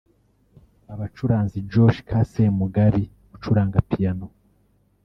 abacuranzi Josh K Semugabi (ucuranga piano)